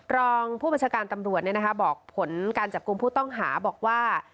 รองผู้บัญชาการตำรวจบอกผลการจับกลุ่มผู้ต้องหาบอกว่า